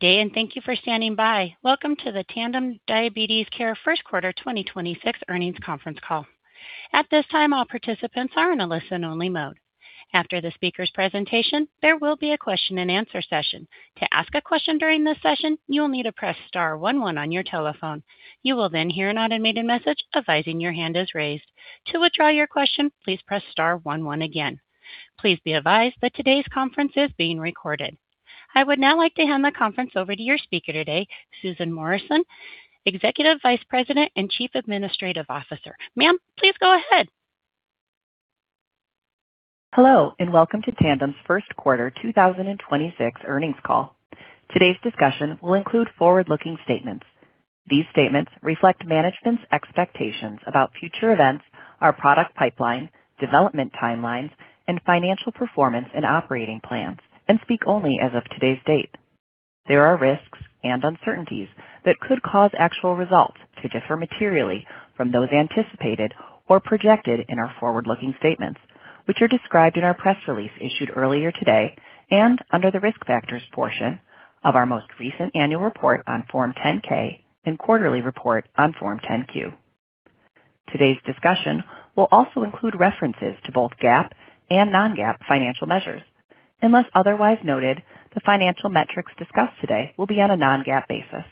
Thank you for standing by. Welcome to the Tandem Diabetes Care Q1 2026 earnings conference call. At this time, all participants are in listening only mode. After the speaker's presentation. There will be a Q&A session. To ask a question during this session, you will need to press star one one on your telephone. Your will then hear an automated message advising your hand is raised. To withdraw your question, please press start one one again. Please be advised that today's conference code will be recorded. I would now like to hand the conference over to your speaker today, Susan Morrison, Executive Vice President and Chief Administrative Officer. Ma'am, please go ahead. Hello, and welcome to Tandem's Q1 2026 earnings call. Today's discussion will include forward-looking statements. These statements reflect management's expectations about future events, our product pipeline, development timelines, and financial performance and operating plans, and speak only as of today's date. There are risks and uncertainties that could cause actual results to differ materially from those anticipated or projected in our forward-looking statements, which are described in our press release issued earlier today and under the Risk Factors portion of our most recent annual report on Form 10-K and quarterly report on Form 10-Q. Today's discussion will also include references to both GAAP and non-GAAP financial measures. Unless otherwise noted, the financial metrics discussed today will be on a non-GAAP basis.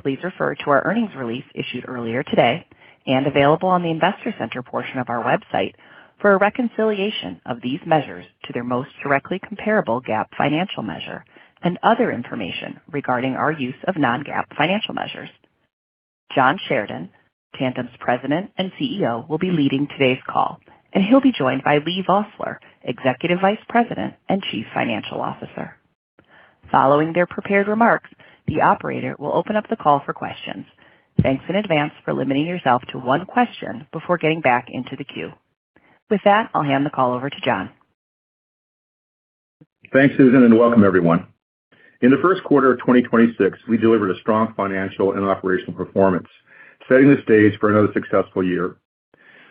Please refer to our earnings release issued earlier today and available on the Investor Center portion of our website for a reconciliation of these measures to their most directly comparable GAAP financial measure and other information regarding our use of non-GAAP financial measures. John Sheridan, Tandem's President and CEO, will be leading today's call, and he'll be joined by Leigh Vosseller, Executive Vice President and Chief Financial Officer. Following their prepared remarks, the operator will open up the call for questions. Thanks in advance for limiting yourself to one question before getting back into the queue. With that, I'll hand the call over to John. Thanks, Susan, and welcome everyone. In the Q1 of 2026, we delivered a strong financial and operational performance, setting the stage for another successful year.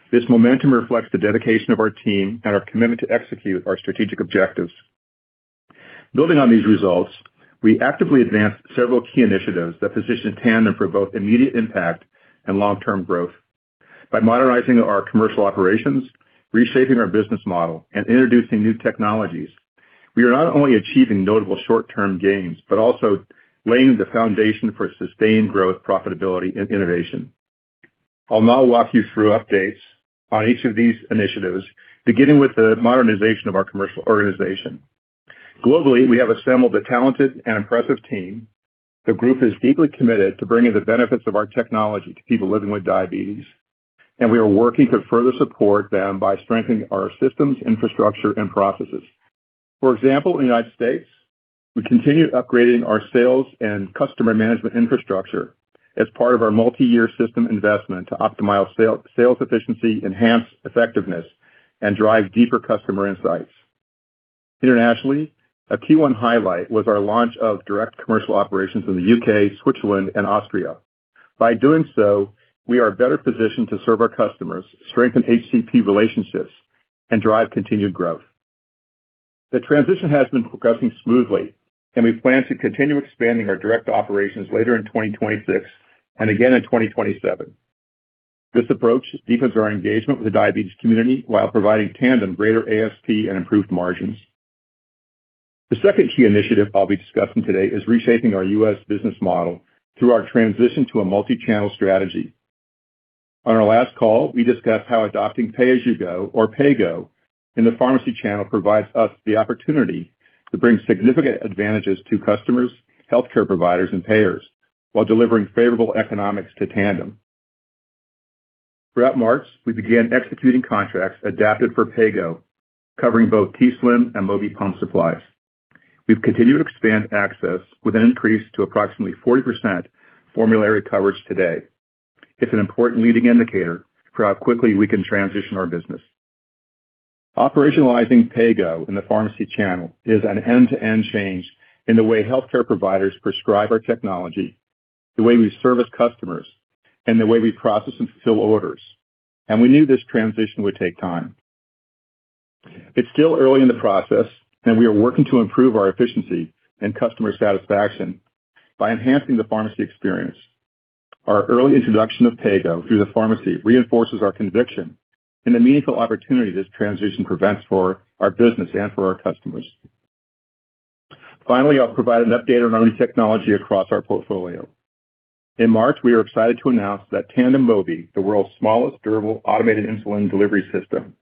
This momentum reflects the dedication of our team and our commitment to execute our strategic objectives. Building on these results, we actively advanced several key initiatives that position Tandem for both immediate impact and long-term growth. By modernizing our commercial operations, reshaping our business model, and introducing new technologies, we are not only achieving notable short-term gains, but also laying the foundation for sustained growth, profitability, and innovation. I'll now walk you through updates on each of these initiatives, beginning with the modernization of our commercial organization. Globally, we have assembled a talented and impressive team. The group is deeply committed to bringing the benefits of our technology to people living with diabetes, and we are working to further support them by strengthening our systems, infrastructure, and processes. For example, in the U.S., we continue upgrading our sales and customer management infrastructure as part of our multi-year system investment to optimize sales efficiency, enhance effectiveness, and drive deeper customer insights. Internationally, a Q1 highlight was our launch of direct commercial operations in the U.K., Switzerland, and Austria. By doing so, we are better positioned to serve our customers, strengthen HCP relationships, and drive continued growth. The transition has been progressing smoothly, and we plan to continue expanding our direct operations later in 2026 and again in 2027. This approach deepens our engagement with the diabetes community while providing Tandem greater ASP and improved margins. The second key initiative I'll be discussing today is reshaping our U.S. business model through our transition to a multi-channel strategy. On our last call, we discussed how adopting pay as you go, or PAYG, in the pharmacy channel provides us the opportunity to bring significant advantages to customers, healthcare providers, and payers while delivering favorable economics to Tandem. Throughout March, we began executing contracts adapted for PAYG, covering both t:slim and Mobi pump supplies. We've continued to expand access with an increase to approximately 40% formulary coverage today. It's an important leading indicator for how quickly we can transition our business. Operationalizing PAYG in the pharmacy channel is an end-to-end change in the way healthcare providers prescribe our technology, the way we service customers, and the way we process and fulfill orders, and we knew this transition would take time. It's still early in the process, and we are working to improve our efficiency and customer satisfaction by enhancing the pharmacy experience. Our early introduction of PAYG through the pharmacy reinforces our conviction in the meaningful opportunity this transition presents for our business and for our customers. I'll provide an update on our new technology across our portfolio. In March, we are excited to announce that Tandem Mobi, the world's smallest durable automated insulin delivery system,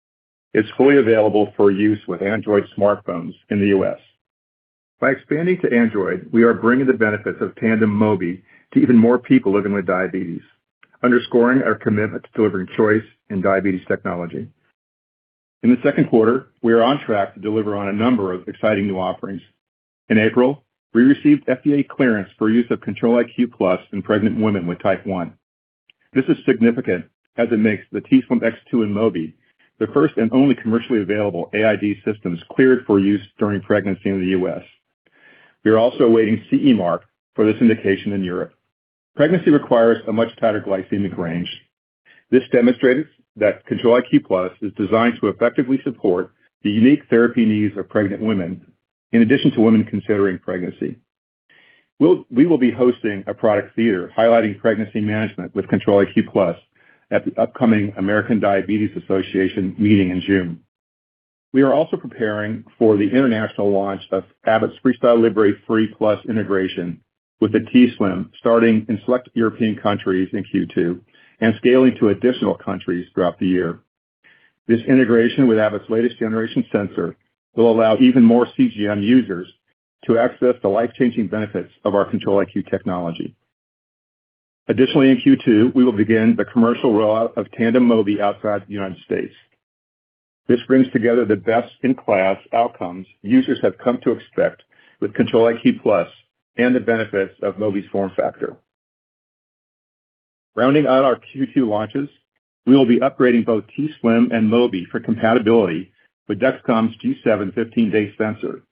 is fully available for use with Android smartphones in the U.S. By expanding to Android, we are bringing the benefits of Tandem Mobi to even more people living with diabetes, underscoring our commitment to delivering choice in diabetes technology. In the Q2, we are on track to deliver on a number of exciting new offerings. In April, we received FDA clearance for use of Control-IQ+ in pregnant women with type 1. This is significant as it makes the t:slim X2 and Mobi the first and only commercially available AID systems cleared for use during pregnancy in the U.S. We are also awaiting CE mark for this indication in Europe. Pregnancy requires a much tighter glycemic range. This demonstrates that Control-IQ+ is designed to effectively support the unique therapy needs of pregnant women in addition to women considering pregnancy. We will be hosting a product theater highlighting pregnancy management with Control-IQ+ at the upcoming American Diabetes Association meeting in June. We are also preparing for the international launch of Abbott's FreeStyle Libre 3 Plus integration with the t:slim starting in select European countries in Q2, and scaling to additional countries throughout the year. This integration with Abbott's latest generation sensor will allow even more CGM users to access the life-changing benefits of our Control-IQ technology. In Q2, we will begin the commercial rollout of Tandem Mobi outside the United States. This brings together the best-in-class outcomes users have come to expect with Control-IQ+ and the benefits of Mobi's form factor. Rounding out our Q2 launches, we will be upgrading both t:slim and Mobi for compatibility with Dexcom's G7 15-day sensor,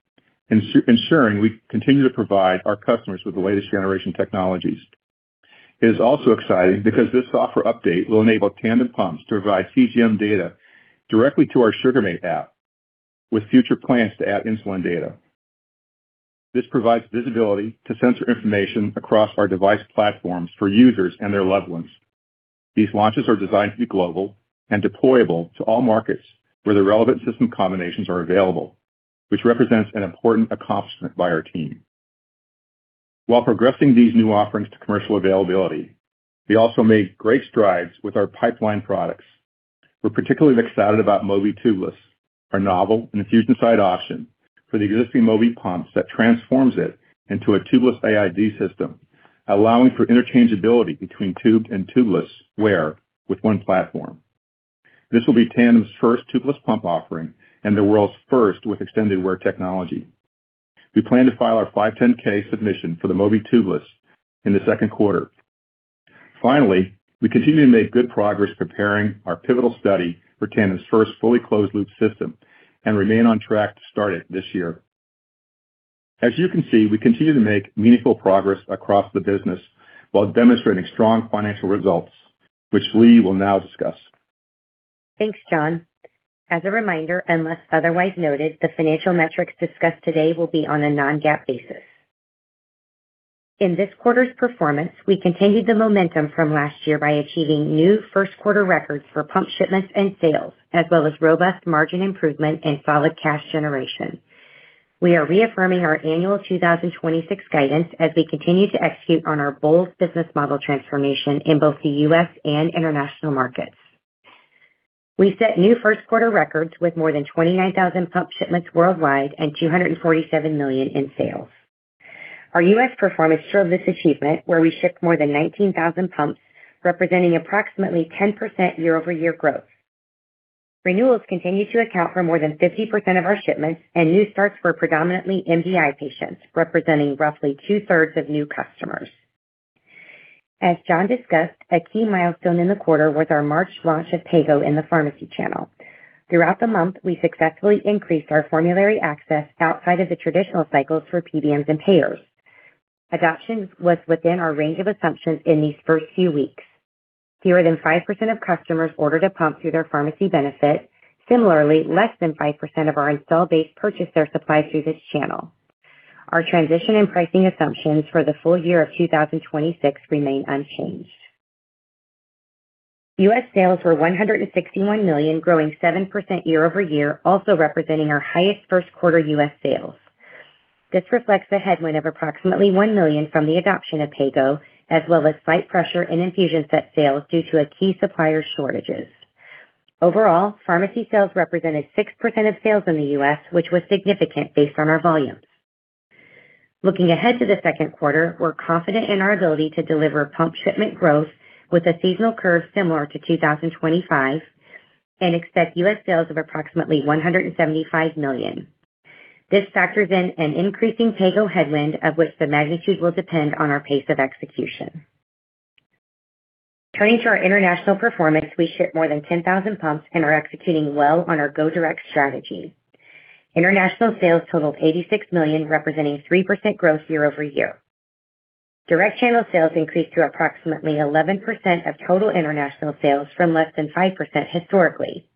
ensuring we continue to provide our customers with the latest generation technologies. It is also exciting because this software update will enable Tandem pumps to provide CGM data directly to our Sugarmate app, with future plans to add insulin data. This provides visibility to sensor information across our device platforms for users and their loved ones. These launches are designed to be global and deployable to all markets where the relevant system combinations are available, which represents an important accomplishment by our team. While progressing these new offerings to commercial availability, we also made great strides with our pipeline products. We're particularly excited about Mobi Tubeless, our novel infusion site option for the existing Mobi pumps that transforms it into a tubeless AID system, allowing for interchangeability between tubed and tubeless wear with one platform. This will be Tandem's first tubeless pump offering and the world's first with extended wear technology. We plan to file our 510(k) submission for the Mobi Tubeless in the Q2. Finally, we continue to make good progress preparing our pivotal study for Tandem's first fully closed loop system and remain on track to start it this year. As you can see, we continue to make meaningful progress across the business while demonstrating strong financial results, which Leigh will now discuss. Thanks, John. As a reminder, unless otherwise noted, the financial metrics discussed today will be on a non-GAAP basis. In this quarter's performance, we continued the momentum from last year by achieving new Q1 records for pump shipments and sales, as well as robust margin improvement and solid cash generation. We are reaffirming our annual 2026 guidance as we continue to execute on our bold business model transformation in both the U.S. and international markets. We set new Q1 records with more than 29,000 pump shipments worldwide and $247 million in sales. Our U.S. performance showed this achievement, where we shipped more than 19,000 pumps, representing approximately 10% year-over-year growth. Renewals continue to account for more than 50% of our shipments, and new starts were predominantly MDI patients, representing roughly two-thirds of new customers. As John Sheridan discussed, a key milestone in the quarter was our March launch of PayGo in the pharmacy channel. Throughout the month, we successfully increased our formulary access outside of the traditional cycles for PBMs and payers. Adoption was within our range of assumptions in these first few weeks. Fewer than 5% of customers ordered a pump through their pharmacy benefit. Similarly, less than 5% of our installed base purchased their supply through this channel. Our transition and pricing assumptions for the full year of 2026 remain unchanged. U.S. sales were $161 million, growing 7% year-over-year, also representing our highest Q1 U.S. sales. This reflects a headwind of approximately $1 million from the adoption of PayGo, as well as slight pressure in infusion set sales due to a key supplier shortages. Overall, pharmacy sales represented 6% of sales in the U.S., which was significant based on our volumes. Looking ahead to the Q2, we're confident in our ability to deliver pump shipment growth with a seasonal curve similar to 2025 and expect U.S. sales of approximately $175 million. This factors in an increasing PayGo headwind, of which the magnitude will depend on our pace of execution. Turning to our international performance, we shipped more than 10,000 pumps and are executing well on our go direct strategy. International sales totaled $86 million, representing 3% growth year-over-year. Direct channel sales increased to approximately 11% of total international sales from less than 5% historically.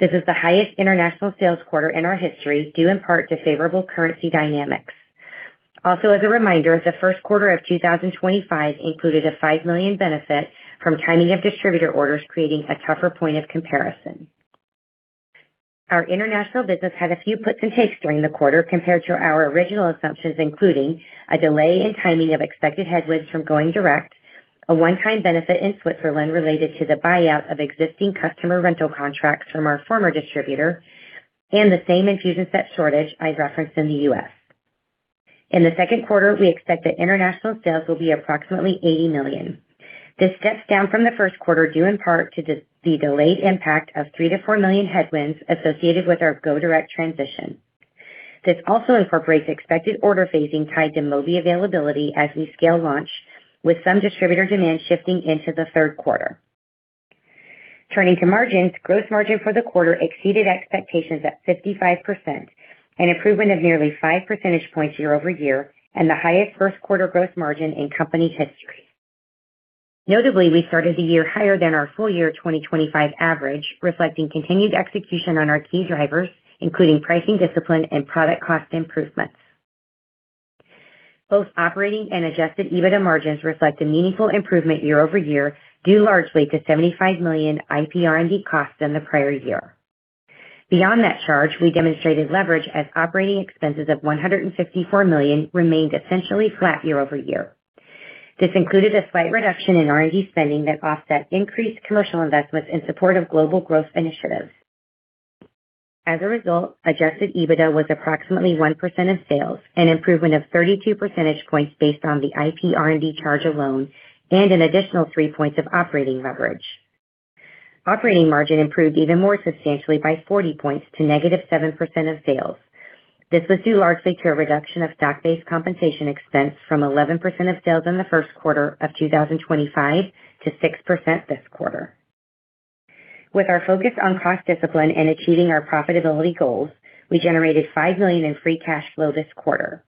This is the highest international sales quarter in our history, due in part to favorable currency dynamics. Also, as a reminder, the Q1 of 2025 included a $5 million benefit from timing of distributor orders, creating a tougher point of comparison. Our international business had a few puts and takes during the quarter compared to our original assumptions, including a delay in timing of expected headwinds from going direct, a one-time benefit in Switzerland related to the buyout of existing customer rental contracts from our former distributor, and the same infusion set shortage I referenced in the U.S. In the Q2, we expect that international sales will be approximately $80 million. This steps down from the Q1, due in part to the delayed impact of $3 million-$4 million headwinds associated with our go direct transition. This also incorporates expected order phasing tied to Mobi availability as we scale launch, with some distributor demand shifting into the Q3. turning to margins, gross margin for the quarter exceeded expectations at 55%, an improvement of nearly 5 percentage points year-over-year and the highest Q1 gross margin in company history. Notably, we started the year higher than our full year 2025 average, reflecting continued execution on our key drivers, including pricing discipline and product cost improvements. Both operating and adjusted EBITDA margins reflect a meaningful improvement year-over-year, due largely to $75 million IPR&D costs in the prior year. Beyond that charge, we demonstrated leverage as operating expenses of $154 million remained essentially flat year-over-year. This included a slight reduction in R&D spending that offset increased commercial investments in support of global growth initiatives. As a result, adjusted EBITDA was approximately 1% of sales, an improvement of 32 percentage points based on the IPR&D charge alone and an additional 3 points of operating leverage. Operating margin improved even more substantially by 40 points to negative 7% of sales. This was due largely to a reduction of stock-based compensation expense from 11% of sales in the 1st quarter of 2025 to 6% this quarter. With our focus on cost discipline and achieving our profitability goals, we generated $5 million in free cash flow this quarter.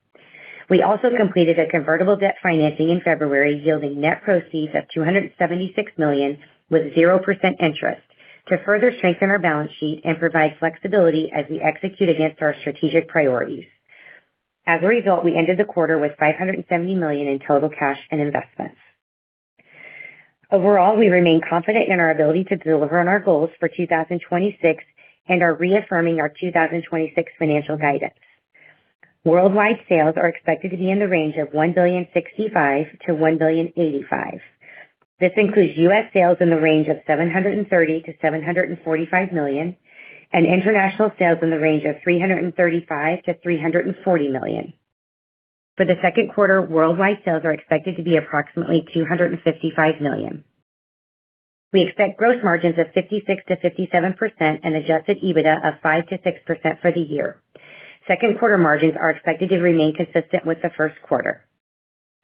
We also completed a convertible debt financing in February, yielding net proceeds of $276 million with 0% interest to further strengthen our balance sheet and provide flexibility as we execute against our strategic priorities. As a result, we ended the quarter with $570 million in total cash and investments. Overall, we remain confident in our ability to deliver on our goals for 2026 and are reaffirming our 2026 financial guidance. Worldwide sales are expected to be in the range of $1.065 billion-$1.085 billion. This includes U.S. sales in the range of $730 million-$745 million, and international sales in the range of $335 million-$340 million. For the Q2, worldwide sales are expected to be approximately $255 million. We expect gross margins of 56%-57% and adjusted EBITDA of 5%-6% for the year. Q2 margins are expected to remain consistent with the Q1.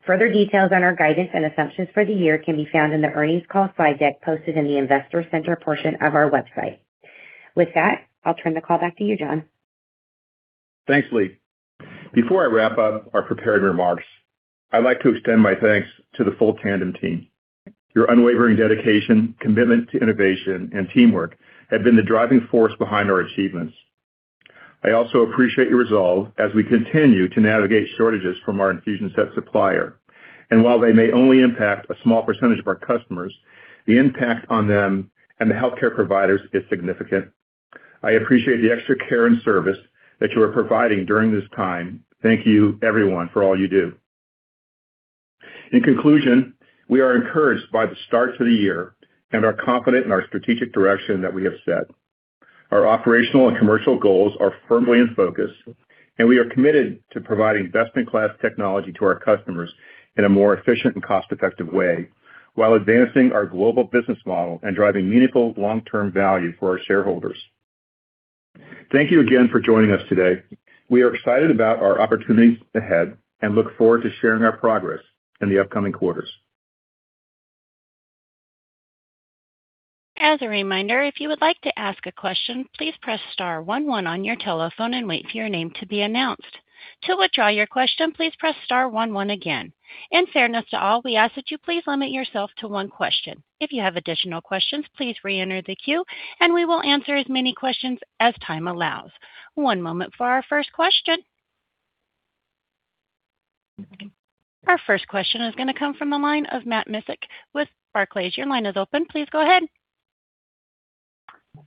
Further details on our guidance and assumptions for the year can be found in the earnings call slide deck posted in the investor center portion of our website. With that, I'll turn the call back to you, John. Thanks, Leigh. Before I wrap up our prepared remarks, I'd like to extend my thanks to the full Tandem team. Your unwavering dedication, commitment to innovation, and teamwork have been the driving force behind our achievements. I also appreciate your resolve as we continue to navigate shortages from our infusion set supplier. While they may only impact a small percentage of our customers, the impact on them and the healthcare providers is significant. I appreciate the extra care and service that you are providing during this time. Thank you everyone for all you do. In conclusion, we are encouraged by the start to the year and are confident in our strategic direction that we have set. Our operational and commercial goals are firmly in focus, and we are committed to providing best-in-class technology to our customers in a more efficient and cost-effective way, while advancing our global business model and driving meaningful long-term value for our shareholders. Thank you again for joining us today. We are excited about our opportunities ahead and look forward to sharing our progress in the upcoming quarters. As a reminder, if you would like to ask a question, please press star one one on your telephone and wait for your name to be announced. To withdraw your question, please press star one one again. In fairness to all, we ask that you please limit yourself to one question. If you have additional questions, please reenter the queue and we will answer as many questions as time allows. One moment for our first question. Our first question is gonna come from the line of Matt Miksic with Barclays. Your line is open. Please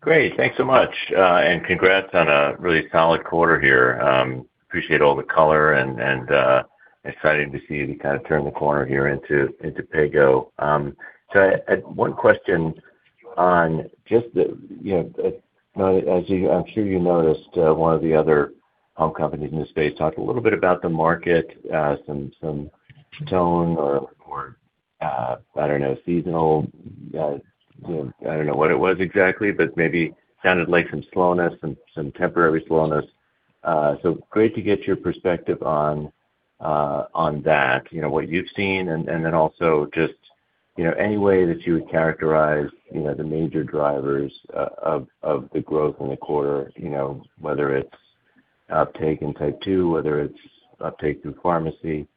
go ahead. Great. Thanks so much. Congrats on a really solid quarter here. Appreciate all the color and exciting to see you kind of turn the corner here into PayGo. I had one question on just the You know, as you I'm sure you noticed, one of the other pump companies in the space talked a little bit about the market, some tone or, I don't know, seasonal, you know, I don't know what it was exactly, but maybe sounded like some slowness, some temporary slowness. Great to get your perspective on that. You know, what you've seen and then also just, you know, any way that you would characterize, you know, the major drivers of the growth in the quarter. You know, whether it's uptake in type 2, whether it's uptake through pharmacy, you know,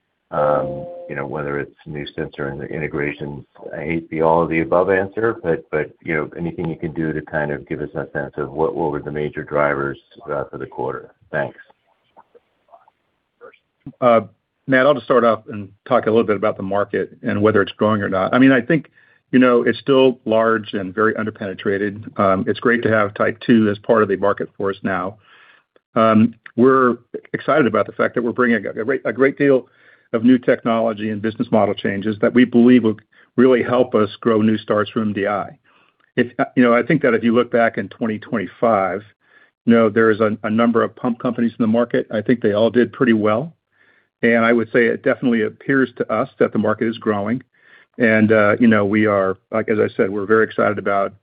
whether it's new sensor integrations. I hate the all of the above answer, but, you know, anything you can do to kind of give us a sense of what were the major drivers for the quarter. Thanks. Matt, I'll just start off and talk a little bit about the market and whether it's growing or not. I mean, I think, you know, it's still large and very under-penetrated. It's great to have type 2 as part of the market for us now. We're excited about the fact that we're bringing a great deal of new technology and business model changes that we believe will really help us grow new starts from MDI. If, you know, I think that if you look back in 2025, you know, there is a number of pump companies in the market. I think they all did pretty well. I would say it definitely appears to us that the market is growing. You know, we are, like as I said, we're very excited about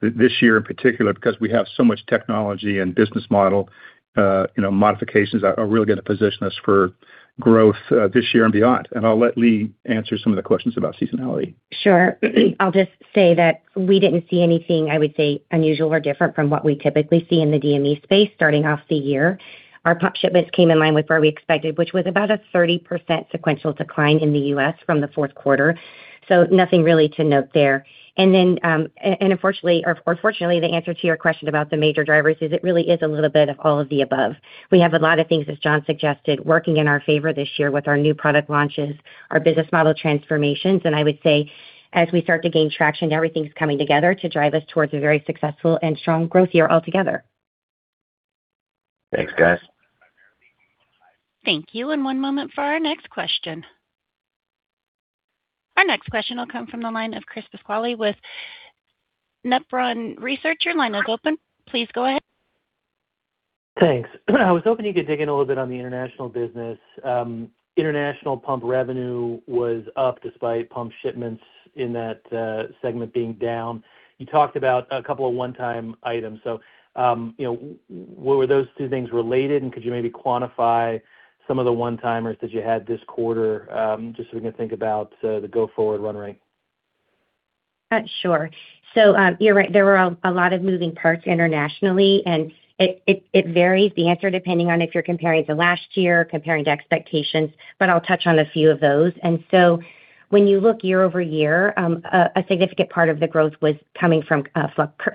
this year in particular because we have so much technology and business model, you know, modifications are really gonna position us for growth, this year and beyond. I'll let Leigh answer some of the questions about seasonality. Sure. I'll just say that we didn't see anything, I would say, unusual or different from what we typically see in the DME space starting off the year. Our pump shipments came in line with where we expected, which was about a 30% sequential decline in the U.S. from the Q4. Nothing really to note there. Unfortunately or fortunately, the answer to your question about the major drivers is it really is a little bit of all of the above. We have a lot of things, as John Sheridan suggested, working in our favor this year with our new product launches, our business model transformations, and I would say as we start to gain traction, everything's coming together to drive us towards a very successful and strong growth year altogether. Thanks, guys. Thank you. One moment for our next question. Our next question will come from the line of Chris Pasquale with Nephron Research. Your line is open. Please go ahead. Thanks. I was hoping you could dig in a little bit on the international business. International pump revenue was up despite pump shipments in that segment being down. You talked about a couple of one-time items. You know, were those two things related and could you maybe quantify some of the one-timers that you had this quarter, just so we can think about the go-forward run rate? Sure. You're right, there were a lot of moving parts internationally, and it varies the answer depending on if you are comparing to last year, comparing to expectations, but I'll touch on a few of those. When you look year-over-year, a significant part of the growth was coming from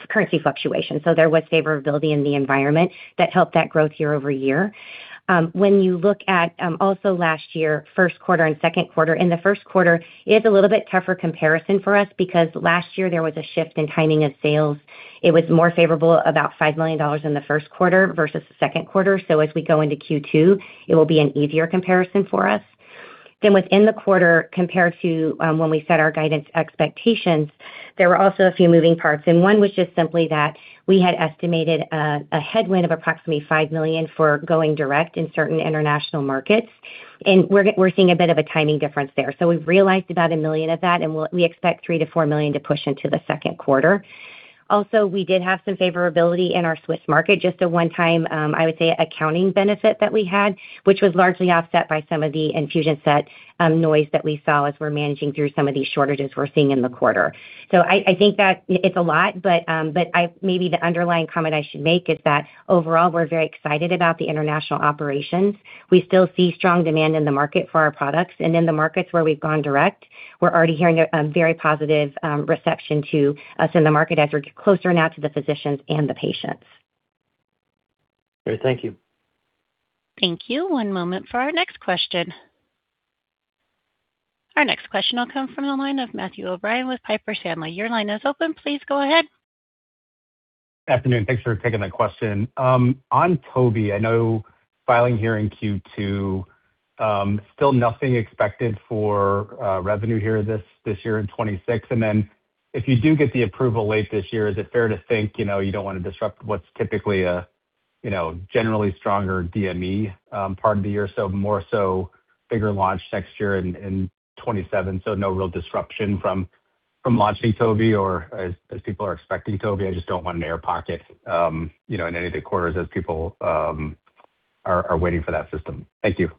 currency fluctuation, so there was favorability in the environment that helped that growth year-over-year. When you look at also last year, Q1 and Q2, in the Q1, it's a little bit tougher comparison for us because last year there was a shift in timing of sales. It was more favorable, about $5 million in the Q1 versus the Q2. As we go into Q2, it will be an easier comparison for us. Within the quarter compared to when we set our guidance expectations, there were also a few moving parts, and one was just simply that we had estimated a headwind of approximately $5 million for going direct in certain international markets. We're seeing a bit of a timing difference there. We've realized about $1 million of that, and we expect $3 million-$4 million to push into the Q2. We did have some favorability in our Swiss market, just a one-time, I would say, accounting benefit that we had, which was largely offset by some of the infusion set noise that we saw as we're managing through some of these shortages we're seeing in the quarter. I think that it's a lot, but maybe the underlying comment I should make is that overall, we're very excited about the international operations. We still see strong demand in the market for our products, and in the markets where we've gone direct, we're already hearing a very positive reception to us in the market as we're closer now to the physicians and the patients. Great. Thank you. Thank you. One moment for our next question. Our next question will come from the line of Matthew O'Brien with Piper Sandler. Afternoon. Thanks for taking my question. On Mobi, I know filing here in Q2, still nothing expected for revenue here this year in 2026. If you do get the approval late this year, is it fair to think, you know, you don't wanna disrupt what's typically a, you know, generally stronger DME part of the year, so more so bigger launch next year in 2027, so no real disruption from launching Mobi? As people are expecting Mobi, I just don't want an air pocket, you know, in any of the quarters as people are waiting for that system. Thank you.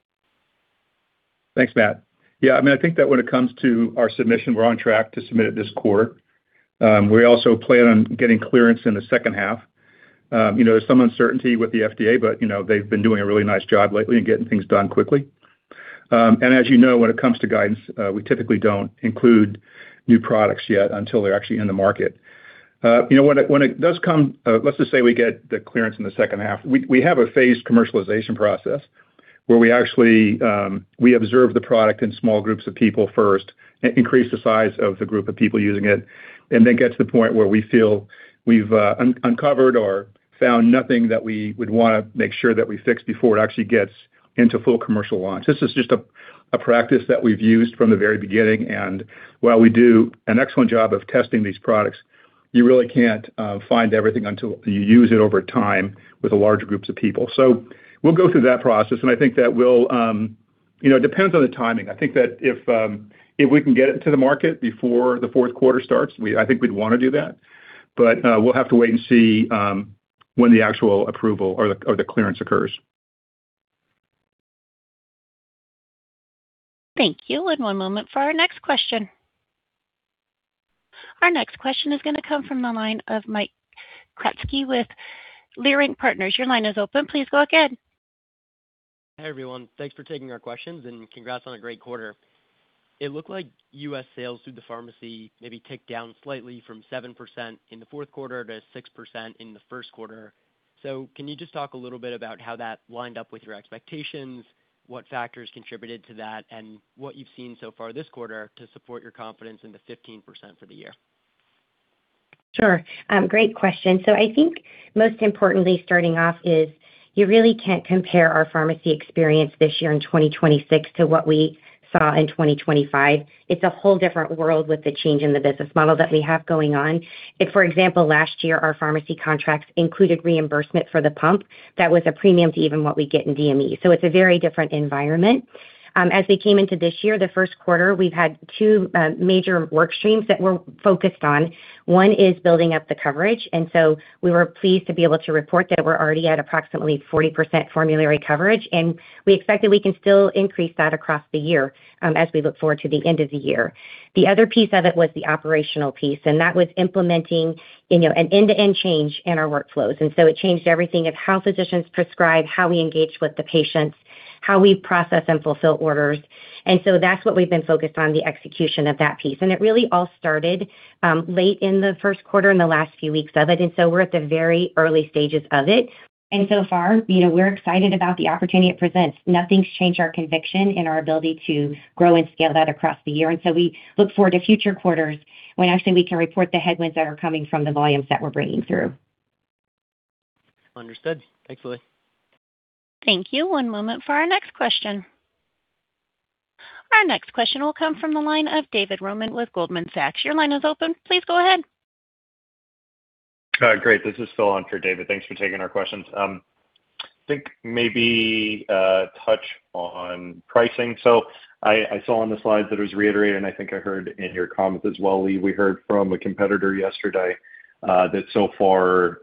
Thanks, Matt. I think that when it comes to our submission, we're on track to submit it this quarter. We also plan on getting clearance in the second half. You know, there's some uncertainty with the FDA, but, you know, they've been doing a really nice job lately in getting things done quickly. As you know, when it comes to guidance, we typically don't include new products yet until they're actually in the market. You know, when it does come, let's just say we get the clearance in the second half, we have a phased commercialization process where we actually observe the product in small groups of people first, increase the size of the group of people using it, and then get to the point where we feel we've uncovered or found nothing that we would wanna make sure that we fix before it actually gets into full commercial launch. This is just a practice that we've used from the very beginning. While we do an excellent job of testing these products, you really can't find everything until you use it over time with large groups of people. We'll go through that process, and I think that we'll, you know, depends on the timing. I think that if we can get it to the market before the Q4 starts, I think we'd wanna do that. We'll have to wait and see when the actual approval or the clearance occurs. Thank you. One moment for our next question. Our next question is gonna come from the line of Mike Kratky with Leerink Partners. Your line is open. Please go ahead. Hi, everyone. Thanks for taking our questions, and congrats on a great quarter. It looked like U.S. sales through the pharmacy maybe ticked down slightly from 7% in the Q4 to 6% in the Q1. Can you just talk a little bit about how that lined up with your expectations, what factors contributed to that, and what you've seen so far this quarter to support your confidence in the 15% for the year? Sure. Great question. I think most importantly starting off is you really can't compare our pharmacy experience this year in 2026 to what we saw in 2025. It's a whole different world with the change in the business model that we have going on. If, for example, last year our pharmacy contracts included reimbursement for the pump, that was a premium to even what we get in DME. It's a very different environment. As we came into this year, the Q1, we've had two major work streams that we're focused on. One is building up the coverage, we were pleased to be able to report that we're already at approximately 40% formulary coverage. We expect that we can still increase that across the year as we look forward to the end of the year. The other piece of it was the operational piece, and that was implementing, you know, an end-to-end change in our workflows. It changed everything of how physicians prescribe, how we engage with the patients, how we process and fulfill orders. That's what we've been focused on, the execution of that piece. It really all started late in the Q1 in the last few weeks of it, and so we're at the very early stages of it. So far, you know, we're excited about the opportunity it presents. Nothing's changed our conviction and our ability to grow and scale that across the year. We look forward to future quarters when actually we can report the headwinds that are coming from the volumes that we're bringing through. Understood. Thanks, Leigh. Thank you. One moment for our next question. Our next question will come from the line of David Roman with Goldman Sachs. Your line is open. Please go ahead. Great. This is still on for David. Thanks for taking our questions. I think maybe touch on pricing. I saw on the slides that it was reiterated, and I think I heard in your comments as well, Leigh, we heard from a competitor yesterday that so far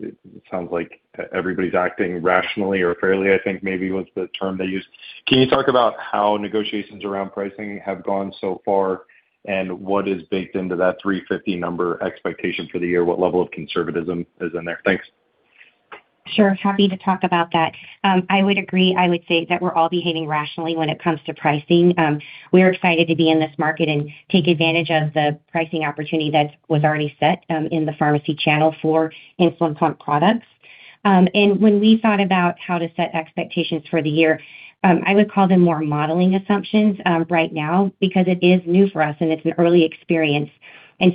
it sounds like everybody's acting rationally or fairly, I think maybe was the term they used. Can you talk about how negotiations around pricing have gone so far, and what is baked into that $350 number expectation for the year? What level of conservatism is in there? Thanks. Sure. Happy to talk about that. I would agree. I would say that we're all behaving rationally when it comes to pricing. We're excited to be in this market and take advantage of the pricing opportunity that was already set in the pharmacy channel for insulin pump products. When we thought about how to set expectations for the year, I would call them more modeling assumptions right now because it is new for us, and it's an early experience.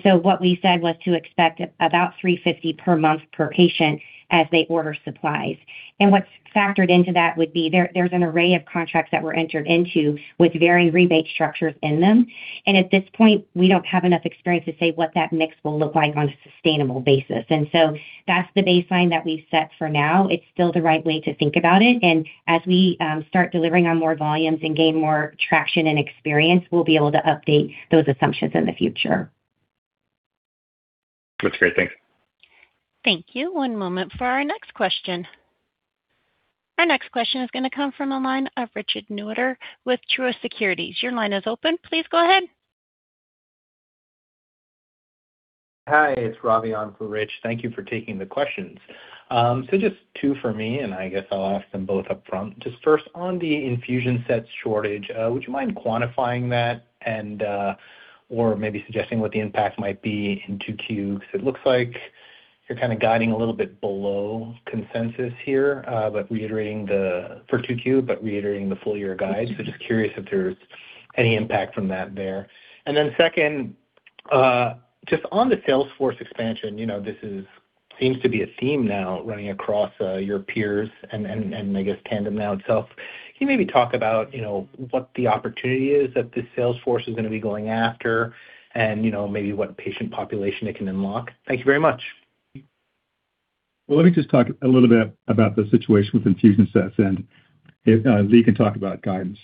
What we said was to expect about $350 per month per patient as they order supplies. What's factored into that would be there's an array of contracts that were entered into with varying rebate structures in them. At this point, we don't have enough experience to say what that mix will look like on a sustainable basis. That's the baseline that we've set for now. It's still the right way to think about it. As we start delivering on more volumes and gain more traction and experience, we'll be able to update those assumptions in the future. That's great. Thanks. Thank you. One moment for our next question. Our next question is gonna come from the line of Richard Newitter with Truist Securities. Your line is open. Please go ahead. Hi, it's Ravi on for Rich. Thank you for taking the questions. Just two for me, and I guess I'll ask them both upfront. Just first, on the infusion sets shortage, would you mind quantifying that and, or maybe suggesting what the impact might be in 2Q? It looks like you're kind of guiding a little bit below consensus here, but reiterating for 2Q, but reiterating the full-year guide. Just curious if there's any impact from that there. Second, just on the sales force expansion, you know, seems to be a theme now running across your peers and I guess Tandem now itself. Can you maybe talk about, you know, what the opportunity is that the sales force is gonna be going after and, you know, maybe what patient population it can unlock? Thank you very much. Well, let me just talk a little bit about the situation with infusion sets, and Leigh can talk about guidance.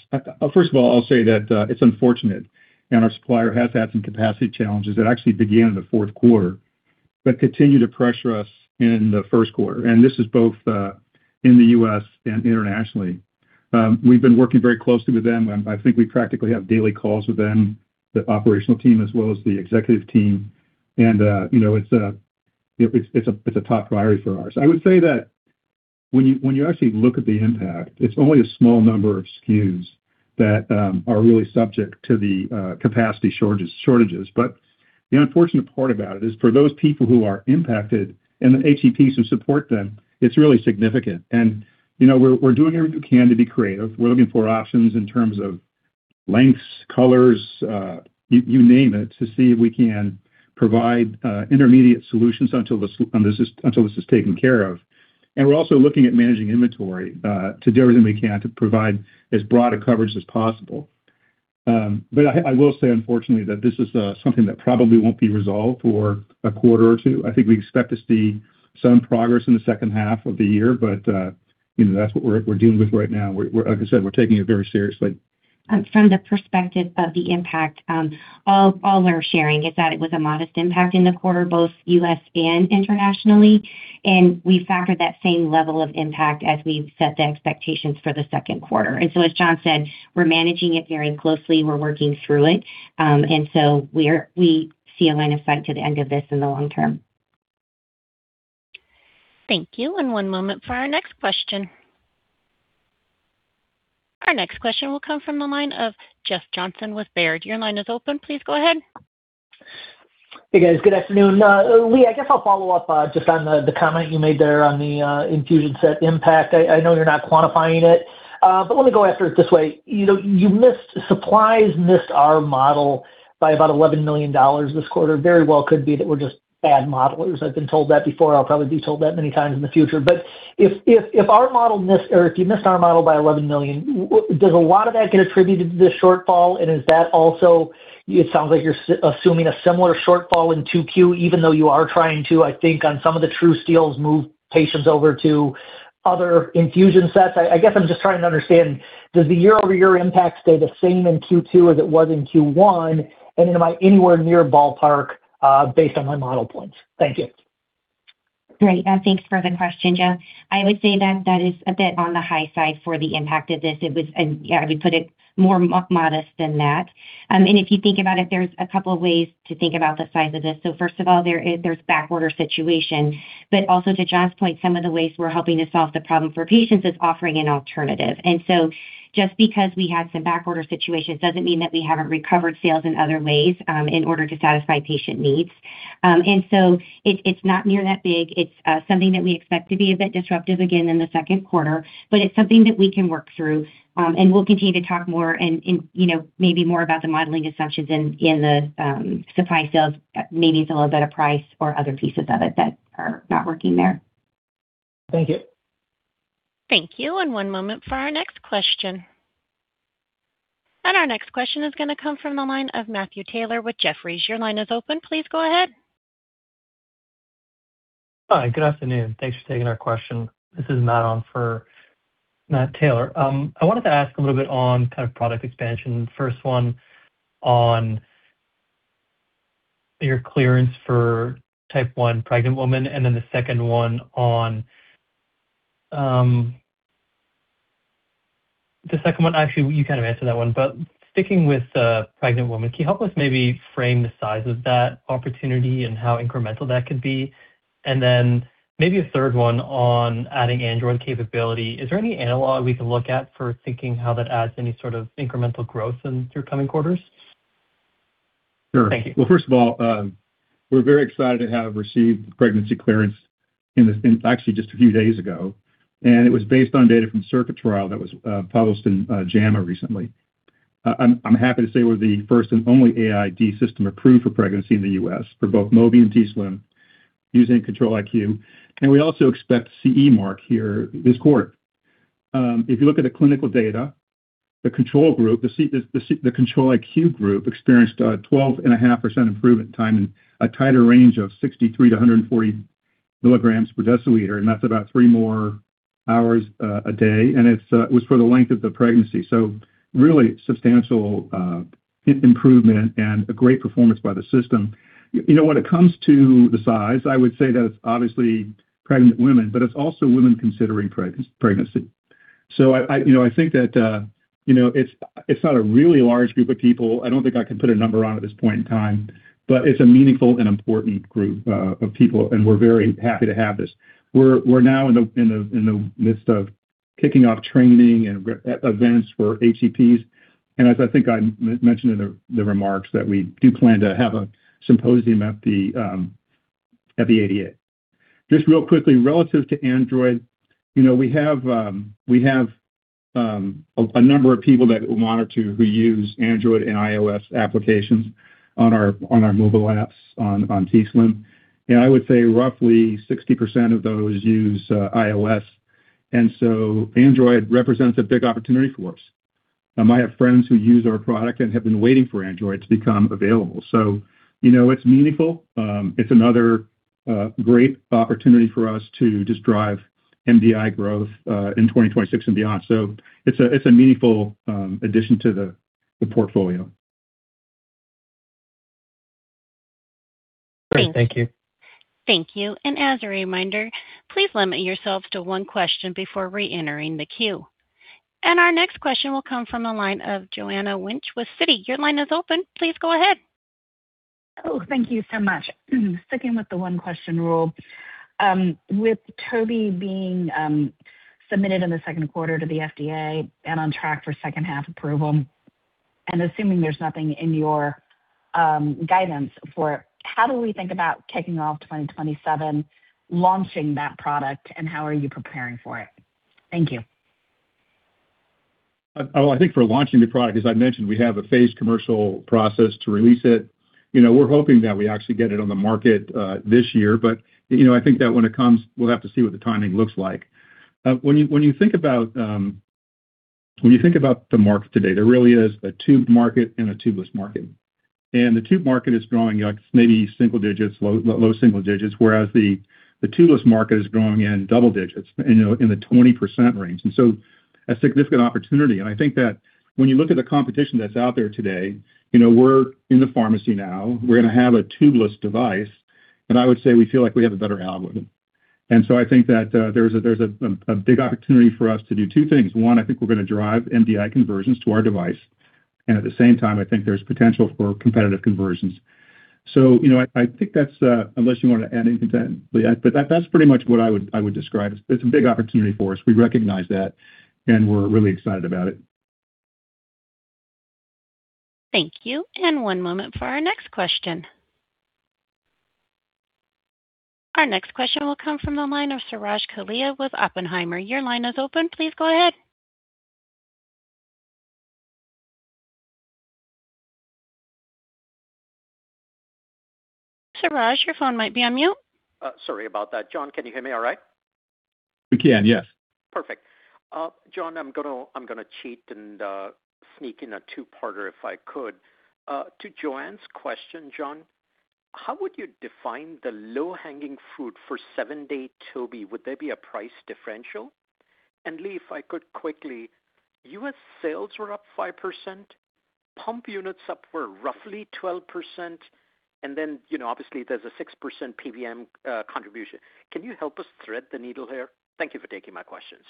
First of all, I'll say that it's unfortunate, our supplier has had some capacity challenges that actually began in the Q4 but continue to pressure us in the Q1. This is both in the U.S. and internationally. We've been working very closely with them. I think we practically have daily calls with them, the operational team as well as the executive team. You know, it's a top priority for us. I would say that when you actually look at the impact, it's only a small number of SKUs that are really subject to the capacity shortages. The unfortunate part about it is for those people who are impacted and the HCPs who support them, it's really significant. You know, we're doing everything we can to be creative. We're looking for options in terms of lengths, colors, you name it, to see if we can provide intermediate solutions until this is taken care of. We're also looking at managing inventory to do everything we can to provide as broad a coverage as possible. I will say, unfortunately, that this is something that probably won't be resolved for a quarter or two. I think we expect to see some progress in the second half of the year. You know, that's what we're dealing with right now. Like I said, we're taking it very seriously. From the perspective of the impact, all we're sharing is that it was a modest impact in the quarter, both U.S. and internationally. We factored that same level of impact as we set the expectations for the Q2. As John said, we're managing it very closely. We're working through it. We see a line of sight to the end of this in the long term. Thank you. One moment for our next question. Our next question will come from the line of Jeff Johnson with Baird. Your line is open. Please go ahead. Hey, guys. Good afternoon. Leigh, I guess I'll follow up just on the comment you made there on the infusion set impact. I know you're not quantifying it, but let me go after it this way. You know, supplies missed our model by about $11 million this quarter. Very well could be that we're just bad modelers. I've been told that before. I'll probably be told that many times in the future. If, if our model missed or if you missed our model by $11 million, does a lot of that get attributed to the shortfall? Is that also, it sounds like you're assuming a similar shortfall in 2Q, even though you are trying to, I think, on some of the TruSteel move patients over to other infusion sets. I guess I'm just trying to understand, does the year-over-year impact stay the same in Q2 as it was in Q1? Am I anywhere near ballpark based on my model points? Thank you. Great. Thanks for the question, Jeff Johnson. I would say that that is a bit on the high side for the impact of this. I would put it more modest than that. If you think about it, there's two ways to think about the size of this. First of all, there is backorder situation, but also to John Sheridan's point, some of the ways we're helping to solve the problem for patients is offering an alternative. Just because we had some backorder situations doesn't mean that we haven't recovered sales in other ways, in order to satisfy patient needs. It's not near that big. It's something that we expect to be a bit disruptive again in the Q2, but it's something that we can work through. We'll continue to talk more and, you know, maybe more about the modeling assumptions in the supply sales, maybe it's a little bit of price or other pieces of it that are not working there. Thank you. Thank you. One moment for our next question. Our next question is going to come from the line of Matthew Taylor with Jefferies. Your line is open. Please go ahead. Hi, good afternoon. Thanks for taking our question. This is Matt on for Matt Taylor. I wanted to ask a little bit on kind of product expansion. First one on your clearance for type 1 pregnant woman, and then the second one on. The second one, actually, you kind of answered that one, but sticking with pregnant woman, can you help us maybe frame the size of that opportunity and how incremental that could be? Maybe a third one on adding Android capability. Is there any analog we can look at for thinking how that adds any sort of incremental growth through coming quarters? Sure. Thank you. Well, first of all, we're very excited to have received pregnancy clearance actually just a few days ago. It was based on data from CIRCUIT trial that was published in JAMA recently. I'm happy to say we're the first and only AID system approved for pregnancy in the U.S. for both Mobi and t:slim using Control-IQ. We also expect CE mark here this quarter. If you look at the clinical data, the control group, the Control-IQ group experienced a 12.5% improvement time in a tighter range of 63 to 140 milligrams per deciliter. That's about three more hours a day. It was for the length of the pregnancy, really substantial improvement and a great performance by the system. You know, when it comes to the size, I would say that it's obviously pregnant women, but it's also women considering pregnancy. I, you know, I think that, you know, it's not a really large group of people. I don't think I can put a number on it at this point in time, but it's a meaningful and important group of people, and we're very happy to have this. We're now in the midst of kicking off training and events for HCPs. As I think I mentioned in the remarks that we do plan to have a symposium at the ADA. Just real quickly, relative to Android, you know, we have a number of people that we monitor who use Android and iOS applications on our mobile apps on t:slim. I would say roughly 60% of those use iOS. Android represents a big opportunity for us. I have friends who use our product and have been waiting for Android to become available. You know, it's meaningful. It's another great opportunity for us to just drive MDI growth in 2026 and beyond. It's a meaningful addition to the portfolio. Great. Thank you. Thank you. As a reminder, please limit yourself to one question before reentering the queue. Our next question will come from the line of Joanne Wuensch with Citi. Your line is open. Please go ahead. Oh, thank you so much. Sticking with the one-question rule. With Mobi being submitted in the Q2 to the FDA and on track for 2H approval, and assuming there's nothing in your guidance for it, how do we think about kicking off 2027 launching that product, and how are you preparing for it? Thank you. I think for launching the product, as I mentioned, we have a phased commercial process to release it. You know, we're hoping that we actually get it on the market, this year. You know, I think that when it comes, we'll have to see what the timing looks like. When you think about, when you think about the market today, there really is a tube market and a tubeless market. The tube market is growing at maybe single digits, low single digits, whereas the tubeless market is growing in double digits, you know, in the 20% range. A significant opportunity. I think that when you look at the competition that's out there today, you know, we're in the pharmacy now. We're gonna have a tubeless device, and I would say we feel like we have a better algorithm. I think that there's a big opportunity for us to do two things. One, I think we're gonna drive MDI conversions to our device. And at the same time, I think there's potential for competitive conversions. You know, I think that's, unless you wanted to add anything to that, Leigh, but that's pretty much what I would describe. It's a big opportunity for us. We recognize that, and we're really excited about it. Thank you. One moment for our next question. Our next question will come from the line of Suraj Kalia with Oppenheimer. Your line is open. Please go ahead. Suraj, your phone might be on mute. Sorry about that. John, can you hear me all right? We can, yes. Perfect. John, I'm gonna cheat and sneak in a two-parter if I could. To Joanne's question, John, how would you define the low-hanging fruit for seven-day Mobi? Would there be a price differential? Leigh, if I could quickly. U.S. sales were up 5%, pump units up were roughly 12%, and then, you know, obviously, there's a 6% PBM contribution. Can you help us thread the needle here? Thank you for taking my questions.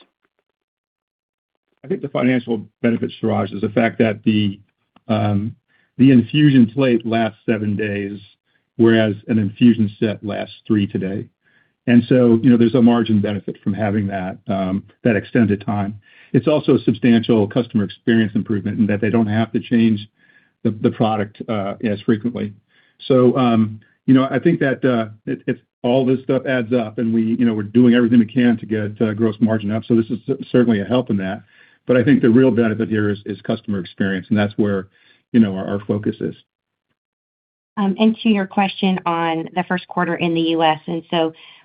I think the financial benefits, Suraj, is the fact that the infusion plate lasts seven days, whereas an infusion set lasts three today. You know, there's a margin benefit from having that extended time. It's also a substantial customer experience improvement in that they don't have to change the product as frequently. You know, I think that it all this stuff adds up, and we, you know, we're doing everything we can to get gross margin up, this is certainly a help in that. I think the real benefit here is customer experience, and that's where, you know, our focus is. To your question on the Q1 in the U.S.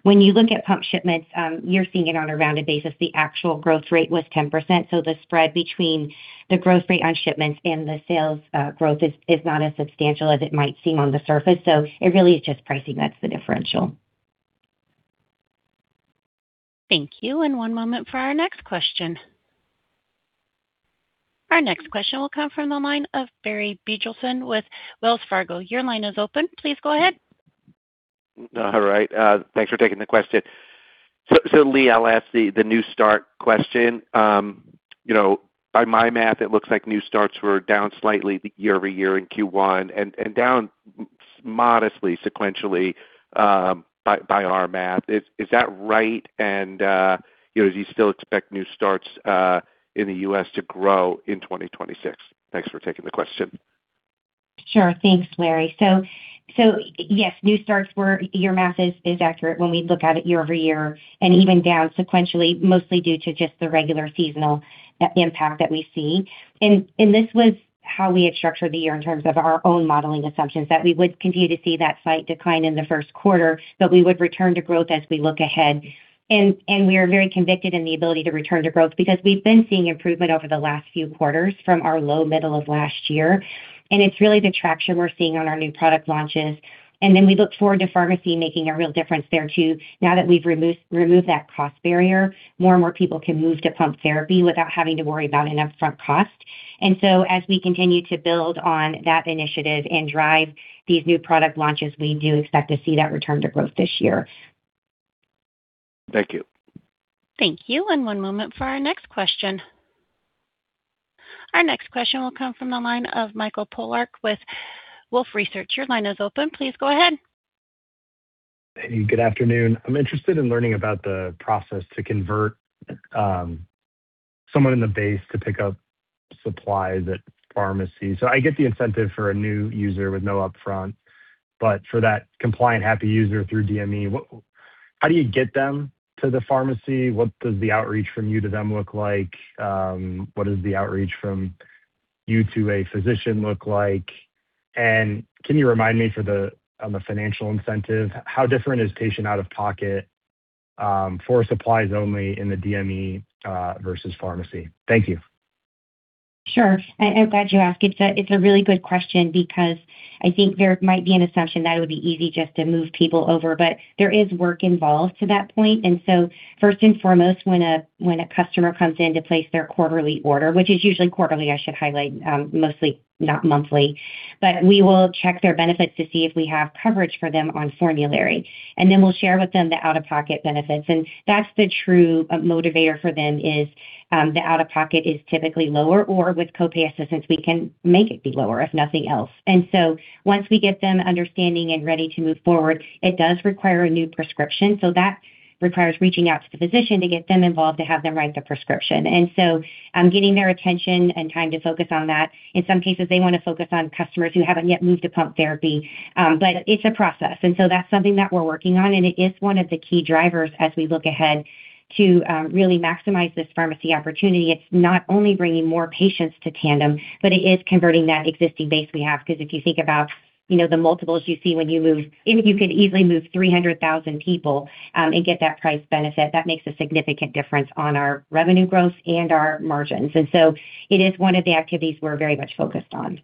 When you look at pump shipments, you're seeing it on a rounded basis. The actual growth rate was 10%, so the spread between the growth rate on shipments and the sales growth is not as substantial as it might seem on the surface. It really is just pricing that's the differential. Thank you. One moment for our next question. Our next question will come from the line of Barry Bijlani with Wells Fargo. Your line is open. Please go ahead. All right. Thanks for taking the question. Leigh, I'll ask the new start question. You know, by my math, it looks like new starts were down slightly year-over-year in Q1 and down modestly sequentially by our math. Is that right? You know, do you still expect new starts in the U.S. to grow in 2026? Thanks for taking the question. Sure. Thanks, Barry. Yes, new starts, your math is accurate when we look at it year over year and even down sequentially, mostly due to just the regular seasonal impact that we see. This was how we had structured the year in terms of our own modeling assumptions, that we would continue to see that slight decline in the Q1, but we would return to growth as we look ahead. We are very convicted in the ability to return to growth because we've been seeing improvement over the last few quarters from our low middle of last year. It's really the traction we're seeing on our new product launches. We look forward to pharmacy making a real difference there too. Now that we've removed that cost barrier, more and more people can move to pump therapy without having to worry about an upfront cost. As we continue to build on that initiative and drive these new product launches, we do expect to see that return to growth this year. Thank you. Thank you. One moment for our next question. Our next question will come from the line of Michael Polark with Wolfe Research. Your line is open. Please go ahead. Hey, good afternoon. I'm interested in learning about the process to convert someone in the base to pick up supplies at pharmacy. I get the incentive for a new user with no upfront, but for that compliant happy user through DME, how do you get them to the pharmacy? What does the outreach from you to them look like? What does the outreach from you to a physician look like? Can you remind me for the, on the financial incentive, how different is patient out-of-pocket for supplies only in the DME versus pharmacy? Thank you. Sure. I'm glad you asked. It's a really good question because I think there might be an assumption that it would be easy just to move people over. There is work involved to that point. First and foremost, when a customer comes in to place their quarterly order, which is usually quarterly, I should highlight, mostly not monthly. We will check their benefits to see if we have coverage for them on formulary. We'll share with them the out-of-pocket benefits, and that's the true motivator for them is, the out-of-pocket is typically lower or with copay assistance, we can make it be lower, if nothing else. Once we get them understanding and ready to move forward, it does require a new prescription. That requires reaching out to the physician to get them involved, to have them write the prescription. Getting their attention and time to focus on that. In some cases, they want to focus on customers who haven't yet moved to pump therapy. It's a process. That's something that we're working on, and it is one of the key drivers as we look ahead to really maximize this pharmacy opportunity. It's not only bringing more patients to Tandem, but it is converting that existing base we have. If you think about, you know, the multiples you see if you could easily move 300,000 people and get that price benefit, that makes a significant difference on our revenue growth and our margins. It is one of the activities we're very much focused on.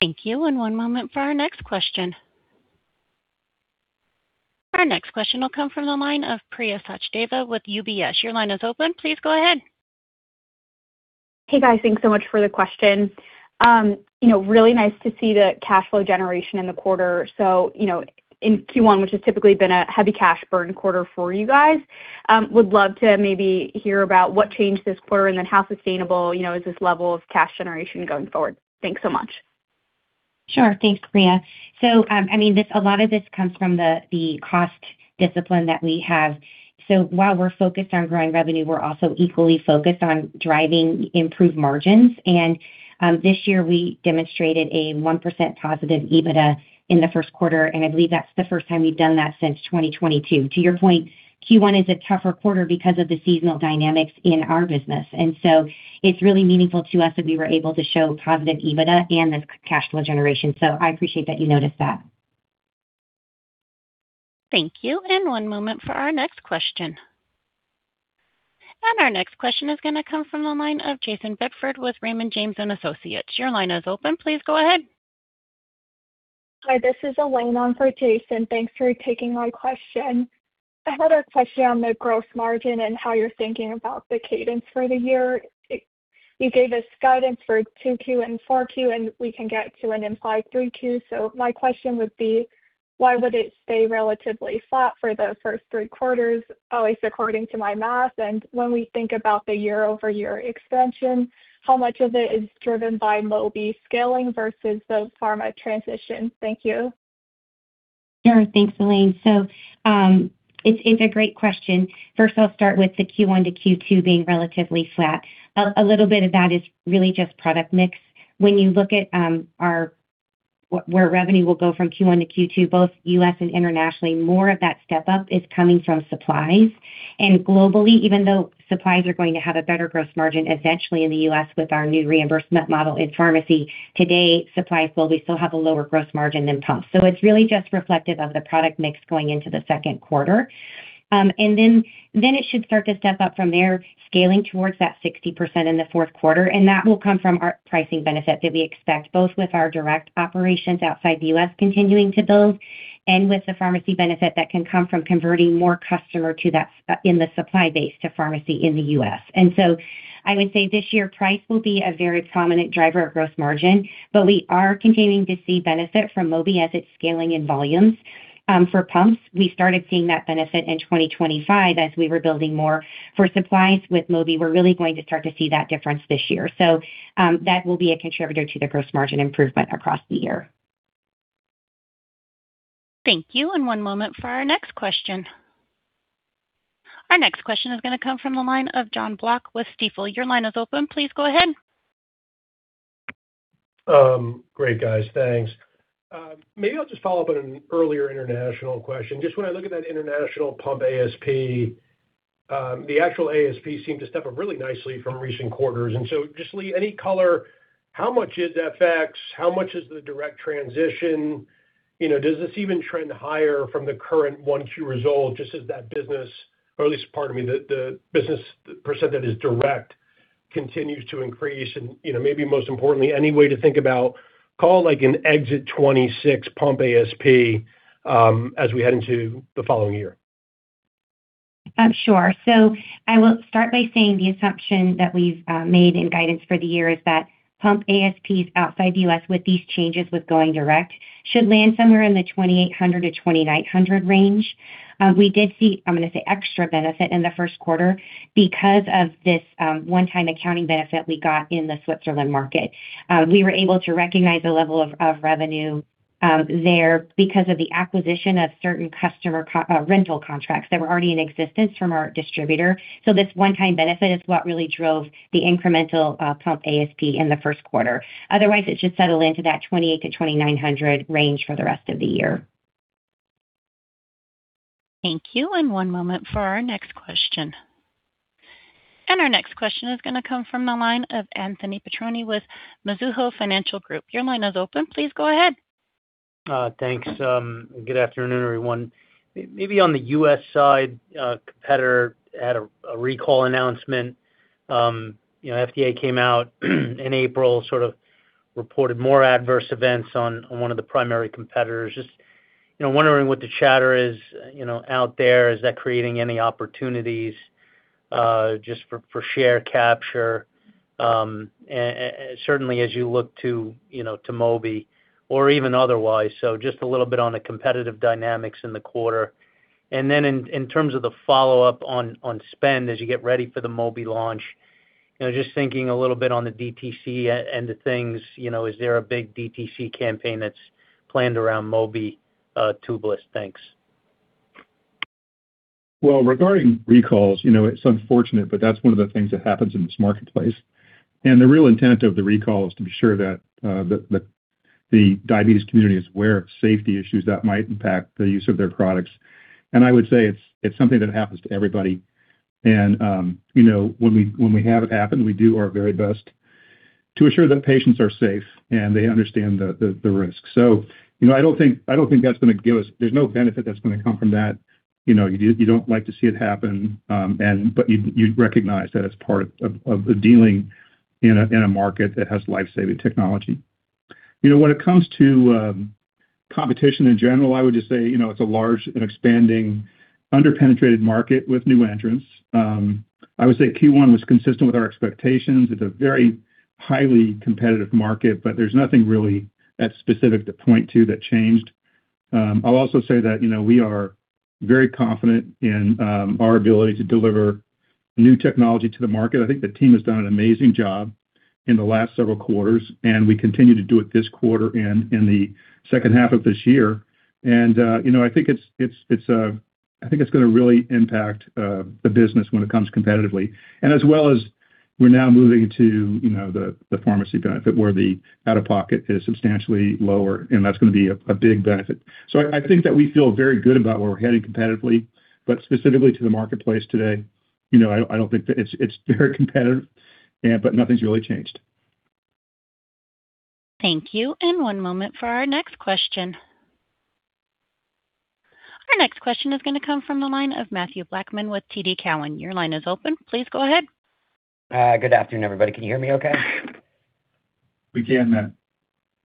Thank you. One moment for our next question. Our next question will come from the line of Priya Sachdeva with UBS. Your line is open. Please go ahead. Hey, guys. Thanks so much for the question. You know, really nice to see the cash flow generation in the quarter. You know, in Q1, which has typically been a heavy cash burn quarter for you guys, would love to maybe hear about what changed this quarter and then how sustainable, you know, is this level of cash generation going forward? Thanks so much. Sure. Thanks, Priya. I mean, a lot of this comes from the cost discipline that we have. While we're focused on growing revenue, we're also equally focused on driving improved margins. This year we demonstrated a 1% positive EBITDA in the Q1, and I believe that's the first time we've done that since 2022. To your point, Q1 is a tougher quarter because of the seasonal dynamics in our business. It's really meaningful to us that we were able to show positive EBITDA and this cash flow generation. I appreciate that you noticed that. Thank you. One moment for our next question. Our next question is going to come from the line of Jayson Bedford with Raymond James & Associates. Your line is open. Please go ahead. Hi, this is Elaine on for Jayson Bedford. Thanks for taking my question. I had a question on the gross margin and how you're thinking about the cadence for the year. You gave us guidance for Q2 and Q4, and we can get to an implied Q3. My question would be, why would it stay relatively flat for the first three quarters, at least according to my math? When we think about the year-over-year expansion, how much of it is driven by Mobi scaling versus the pharma transition? Thank you. Sure. Thanks, Elaine. It's a great question. First, I'll start with the Q1 to Q2 being relatively flat. A little bit of that is really just product mix. When you look at where revenue will go from Q1 to Q2, both U.S. and internationally, more of that step up is coming from supplies. Globally, even though supplies are going to have a better gross margin eventually in the U.S. with our new reimbursement model in pharmacy, today, supplies will still have a lower gross margin than pumps. It's really just reflective of the product mix going into the Q2. Then it should start to step up from there, scaling towards that 60% in the Q4, and that will come from our pricing benefit that we expect, both with our direct operations outside the U.S. continuing to build and with the pharmacy benefit that can come from converting more customer in the supply base to pharmacy in the U.S. I would say this year price will be a very prominent driver of gross margin, but we are continuing to see benefit from Mobi as it's scaling in volumes. For pumps, we started seeing that benefit in 2025 as we were building more. For supplies with Mobi, we're really going to start to see that difference this year. That will be a contributor to the gross margin improvement across the year. Thank you. One moment for our next question. Our next question is going to come from the line of Jonathan Block with Stifel. Your line is open. Please go ahead. Great, guys. Thanks. Maybe I'll just follow up on an earlier international question. Just when I look at that international pump ASP, the actual ASP seemed to step up really nicely from recent quarters. So just, Leigh, any color, how much is FX? How much is the direct transition? You know, does this even trend higher from the current 1Q result, just as that business, or at least, pardon me, the business percent that is direct continues to increase? You know, maybe most importantly, any way to think about, call, like, an exit 26 pump ASP, as we head into the following year? Sure. I will start by saying the assumption that we've made in guidance for the year is that pump ASPs outside the U.S. with these changes with going direct should land somewhere in the $2,800-$2,900 range. We did see, I'm gonna say, extra benefit in the Q1 because of this one-time accounting benefit we got in the Switzerland market. We were able to recognize a level of revenue there because of the acquisition of certain customer rental contracts that were already in existence from our distributor. This one-time benefit is what really drove the incremental pump ASP in the 1st quarter. Otherwise, it should settle into that $2,800-$2,900 range for the rest of the year. Thank you. One moment for our next question. Our next question is gonna come from the line of Anthony Petrone with Mizuho Financial Group. Your line is open. Please go ahead. Thanks. Good afternoon, everyone. Maybe on the U.S. side, competitor had a recall announcement. You know, FDA came out in April, sort of reported more adverse events on one of the primary competitors. Just, you know, wondering what the chatter is, you know, out there. Is that creating any opportunities just for share capture? And certainly as you look to, you know, to Mobi or even otherwise. Just a little bit on the competitive dynamics in the quarter. In terms of the follow-up on spend as you get ready for the Mobi launch, you know, just thinking a little bit on the DTC and the things, you know, is there a big DTC campaign that's planned around Mobi Tubeless? Thanks. Well, regarding recalls, you know, it's unfortunate, but that's one of the things that happens in this marketplace. The real intent of the recall is to ensure that the diabetes community is aware of safety issues that might impact the use of their products. I would say it's something that happens to everybody. You know, when we have it happen, we do our very best to ensure that patients are safe, and they understand the risks. You know, I don't think there's no benefit that's gonna come from that. You know, you don't like to see it happen, but you recognize that it's part of dealing in a market that has life-saving technology. You know, when it comes to competition in general, I would just say, you know, it's a large and expanding under-penetrated market with new entrants. I would say Q1 was consistent with our expectations. It's a very highly competitive market, but there's nothing really that specific to point to that changed. I'll also say that, you know, we are very confident in our ability to deliver new technology to the market. I think the team has done an amazing job in the last several quarters, and we continue to do it this quarter and in the second half of this year. You know, I think it's, I think it's gonna really impact the business when it comes competitively. As well as we're now moving to, you know, the pharmacy benefit where the out-of-pocket is substantially lower, and that's gonna be a big benefit. I think that we feel very good about where we're heading competitively, but specifically to the marketplace today, you know, I don't think that It's very competitive, yeah, but nothing's really changed. Thank you, and one moment for our next question. Our next question is gonna come from the line of Mathew Blackman with TD Cowen. Your line is open. Please go ahead. Good afternoon, everybody. Can you hear me okay? We can, Matt.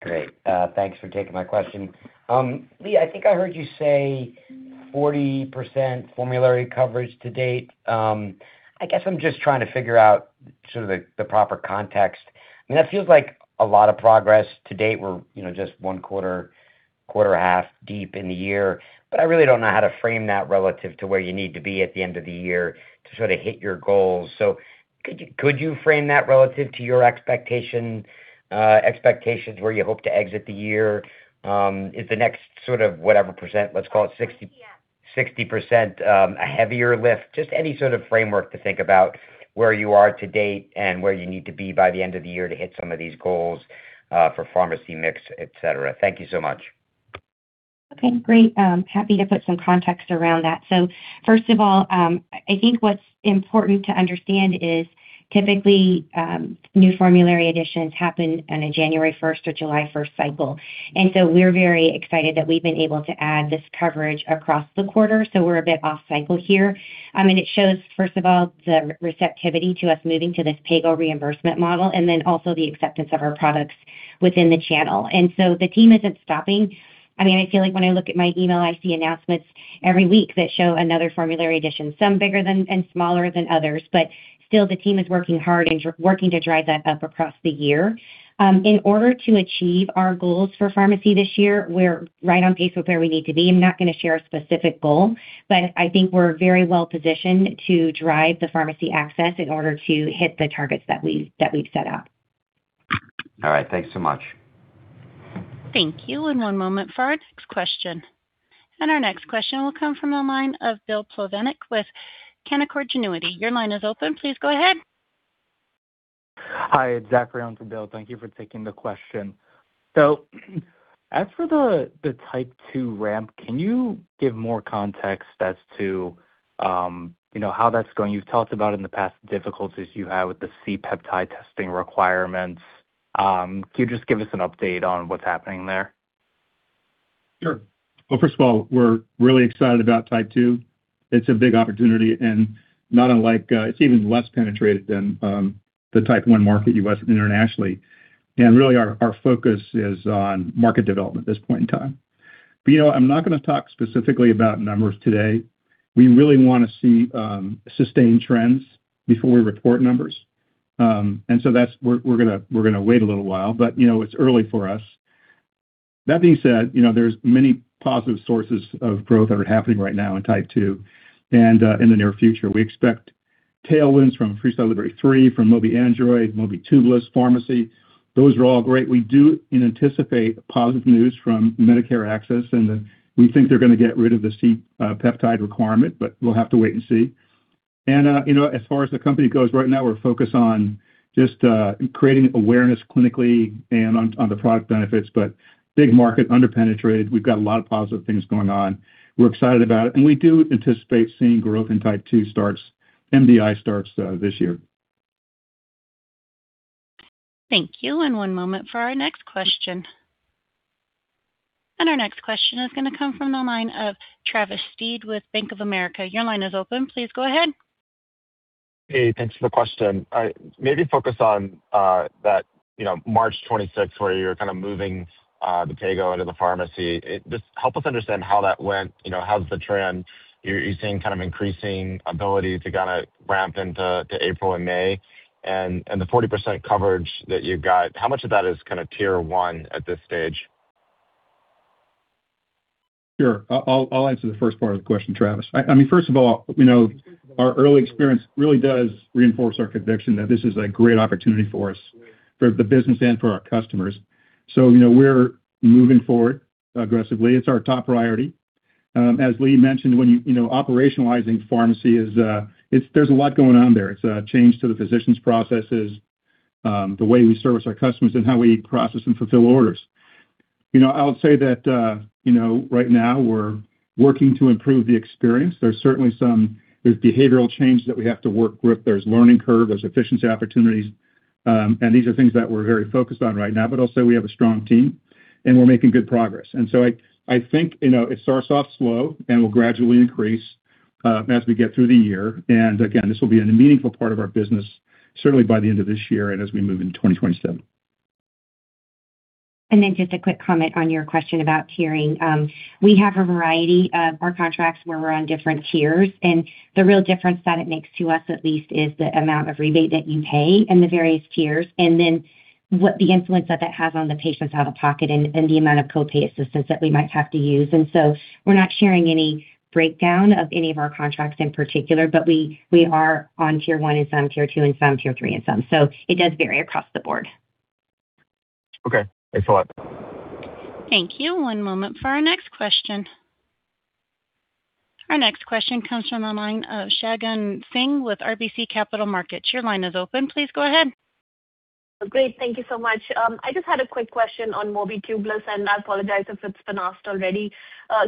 Great. Thanks for taking my question. Leigh, I think I heard you say 40% formulary coverage to date. I guess I'm just trying to figure out sort of the proper context. I mean, that feels like a lot of progress to date. We're, you know, just one quarter half deep in the year, but I really don't know how to frame that relative to where you need to be at the end of the year to sort of hit your goals. Could you frame that relative to your expectations where you hope to exit the year? Is the next sort of whatever percent, let's call it 60%, a heavier lift? Just any sort of framework to think about where you are to date and where you need to be by the end of the year to hit some of these goals for pharmacy mix, et cetera. Thank you so much. Okay, great. Happy to put some context around that. I think what's important to understand is typically, new formulary additions happen on a January 1st or July 1st cycle. We're very excited that we've been able to add this coverage across the quarter, so we're a bit off cycle here. I mean, it shows, first of all, the receptivity to us moving to this PayGo reimbursement model and then also the acceptance of our products within the channel. The team isn't stopping. I mean, I feel like when I look at my email, I see announcements every week that show another formulary addition, some bigger than and smaller than others. The team is working hard and working to drive that up across the year. In order to achieve our goals for pharmacy this year, we're right on pace with where we need to be. I'm not gonna share a specific goal, but I think we're very well-positioned to drive the pharmacy access in order to hit the targets that we've set out. All right. Thanks so much. Thank you. One moment for our next question. Our next question will come from the line of Bill Plovanic with Canaccord Genuity. Your line is open. Please go ahead. Hi, it's Zach around to Bill. Thank you for taking the question. As for the type 2 ramp, can you give more context as to, you know, how that's going? You've talked about in the past difficulties you had with the C-peptide testing requirements. Can you just give us an update on what's happening there? Sure, first of all, we're really excited about type 2. It's a big opportunity not unlike, it's even less penetrated than the type 1 market U.S. internationally. Really our focus is on market development at this point in time. You know, I'm not gonna talk specifically about numbers today. We really wanna see sustained trends before we report numbers. That's we're gonna wait a little while, you know, it's early for us. That being said, you know, there's many positive sources of growth that are happening right now in type 2 in the near future. We expect tailwinds from FreeStyle Libre 3, from Mobi Android, Mobi Tubeless Pharmacy. Those are all great. We do anticipate positive news from Medicare access, and we think they're gonna get rid of the C-peptide requirement, but we'll have to wait and see. You know, as far as the company goes, right now we're focused on just creating awareness clinically and on the product benefits. Big market, under-penetrated. We've got a lot of positive things going on. We're excited about it, and we do anticipate seeing growth in type 2 starts, MDI starts this year. Thank you. One moment for our next question. Our next question is gonna come from the line of Travis Steed with Bank of America. Your line is open. Please go ahead. Hey, thanks for the question. maybe focus on that, you know, March twenty-sixth, where you're kind of moving the PayGo into the pharmacy. Just help us understand how that went. You know, how's the trend? You're seeing kind of increasing ability to kinda ramp into April and May. the 40% coverage that you got, how much of that is kinda tier 1 at this stage? Sure. I'll answer the first part of the question, Travis. I mean, first of all, you know, our early experience really does reinforce our conviction that this is a great opportunity for us, for the business and for our customers. You know, we're moving forward aggressively. It's our top priority. As Leigh mentioned, when you know, operationalizing pharmacy is, it's, there's a lot going on there. It's a change to the physicians' processes, the way we service our customers and how we process and fulfill orders. You know, I would say that, you know, right now we're working to improve the experience. There's certainly some behavioral change that we have to work with. There's learning curve, there's efficiency opportunities. These are things that we're very focused on right now. I'll say we have a strong team. We're making good progress. I think, you know, it starts off slow and will gradually increase as we get through the year. Again, this will be a meaningful part of our business certainly by the end of this year and as we move into 2027. Just a quick comment on your question about tiering. We have a variety of our contracts where we are on different tiers, and the real difference that it makes to us at least is the amount of rebate that you pay in the various tiers and then what the influence that that has on the patient's out-of-pocket and the amount of co-pay assistance that we might have to use. We are not sharing any breakdown of any of our contracts in particular, we are on tier 1 in some, tier 2 in some, tier 3 in some. It does vary across the board. Okay. Thanks a lot. Thank you. One moment for our next question. Our next question comes from the line of Shagun Singh with RBC Capital Markets. Your line is open. Please go ahead. Great. Thank you so much. I just had a quick question on Mobi Tubeless, and I apologize if it's been asked already.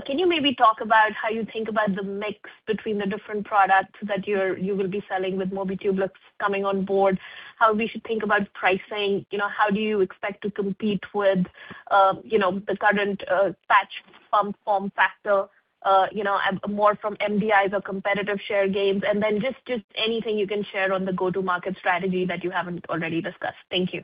Can you maybe talk about how you think about the mix between the different products that you will be selling with Mobi Tubeless coming on board? How we should think about pricing? You know, how do you expect to compete with, you know, the current patch pump form factor, you know, more from MDIs or competitive share gains? Then just anything you can share on the go-to-market strategy that you haven't already discussed. Thank you.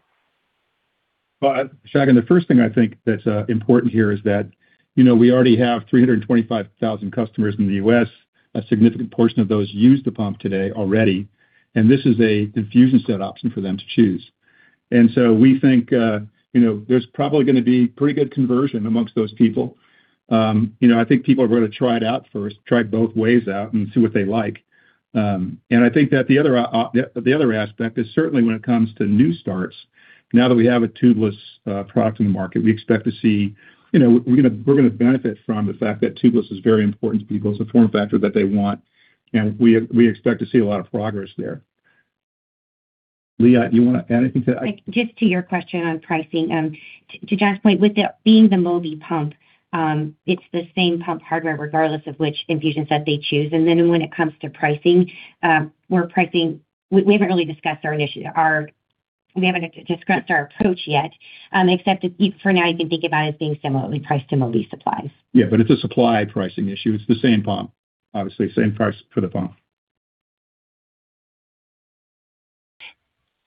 Well, Shagun, the first thing I think that's important here is that, you know, we already have 325,000 customers in the U.S. A significant portion of those use the pump today already, this is a infusion set option for them to choose. We think, you know, there's probably gonna be pretty good conversion amongst those people. You know, I think people are gonna try it out first, try both ways out and see what they like. I think that the other aspect is certainly when it comes to new starts, now that we have a tubeless product in the market, we expect to see, you know, we're gonna benefit from the fact that tubeless is very important to people. It's a form factor that they want, and we expect to see a lot of progress there. Leigh, you wanna add anything to that? Just to your question on pricing, to John's point, being the Mobi pump, it's the same pump hardware regardless of which infusion set they choose. When it comes to pricing, we haven't really discussed our approach yet, for now, you can think about it as being similarly priced to Mobi supplies. Yeah, it's a supply pricing issue. It's the same pump. Obviously same price for the pump.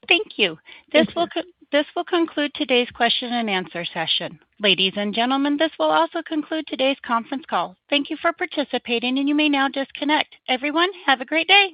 Thank you. Thank you. This will conclude today's question and answer session. Ladies and gentlemen, this will also conclude today's conference call. Thank you for participating, and you may now disconnect. Everyone, have a great day.